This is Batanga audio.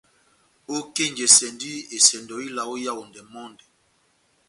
Ókenjɛsɛndi esɛndo yá ila ó Yaondɛ mɔndɛ.